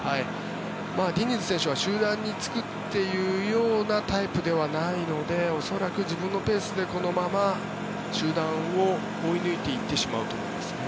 ディニズ選手は集団につくというようなタイプではないので恐らく、自分のペースでこのまま集団を追い抜いていってしまうと思いますね。